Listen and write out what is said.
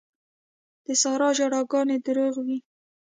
د سارا ژړاګانې دروغ وې.